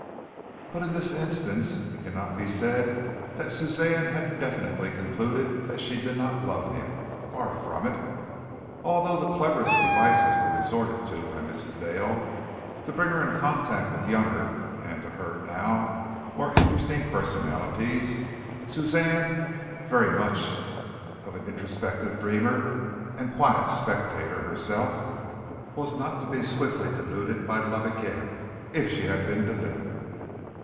But in this instance it cannot be said that Suzanne had definitely concluded that she did not love him. Far from it. Although the cleverest devices were resorted to by Mrs. Dale to bring her into contact with younger and to her now more interesting personalities, Suzanne very much of an introspective dreamer and quiet spectator herself, was not to be swiftly deluded by love again if she had been deluded.